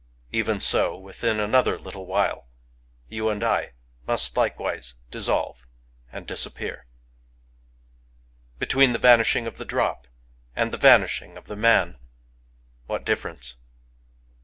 Even so, within another little while, you and I must likewise dissolve and disappear. Between the vanishing of the drop and the van ishing of the man, what difference ?